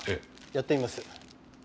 やってみます。